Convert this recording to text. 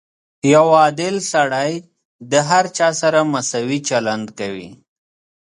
• یو عادل سړی د هر چا سره مساوي چلند کوي.